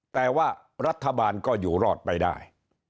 แต่ว่ารัฐบาลก็อยู่รอดไปได้